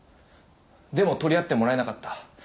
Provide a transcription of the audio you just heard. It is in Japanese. でも取り合ってもらえなかった。